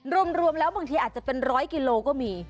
รวมแล้วบางทีอาจจะเป็น๑๐๐กิโลก็มี